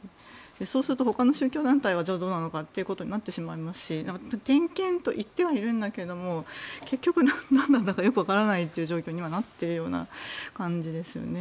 そうするとほかの宗教団体はじゃあ、どうなのかとなってしまいますし点検と言ってはいるんだけど結局、何なんだかよくわからないような状況になっている感じですね。